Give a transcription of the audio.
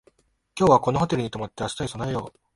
今日はこのホテルに泊まって明日に備えよう